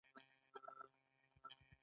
نیت پاک ساتئ